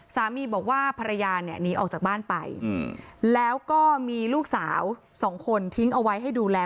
สามีบอกว่าภรรยาเนี่ยหนีออกจากบ้านไปแล้วก็มีลูกสาวสองคนทิ้งเอาไว้ให้ดูแล